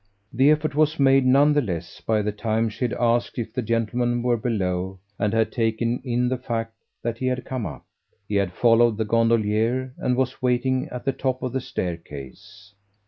The effort was made, none the less, by the time she had asked if the gentleman were below and had taken in the fact that he had come up. He had followed the gondolier and was waiting at the top of the staircase.